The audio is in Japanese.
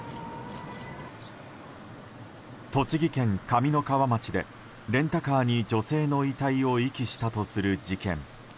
栃木県上三川町でレンタカーに女性の遺体を遺棄したとする事件。